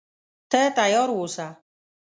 ته تیار اوسه.